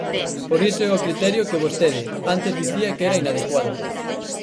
Por iso é o criterio que vostede antes dicía que era inadecuado.